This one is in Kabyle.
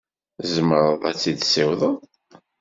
Tzemreḍ ad tt-tessiwḍeḍ?